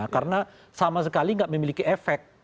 karena sama sekali tidak memiliki efek